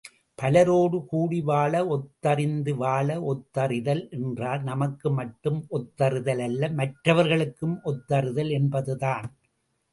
பலரோடு கூடிவாழு ஒத்ததறிந்து வாழு ஒத்ததறிதல் என்றால் நமக்கு மட்டும் ஒத்ததறிதல் அல்ல மற்றவர்களுக்கும் ஒத்ததறிதல் என்பதுதான்.